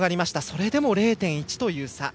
それでも０．１という差。